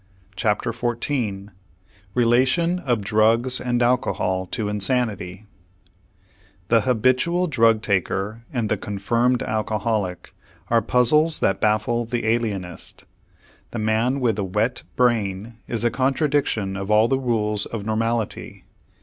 CHAPTER XIV RELATION OF DRUGS AND ALCOHOL TO INSANITY The habitual drug taker and the confirmed alcoholic are puzzles that baffle the alienist. The man with the "wet brain" is a contradiction of all the rules of normality.